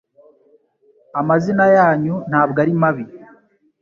Amazina yanyu ntabwo ari mabi